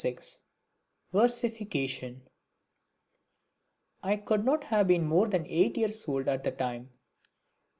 (6) Versification I could not have been more than eight years old at the time.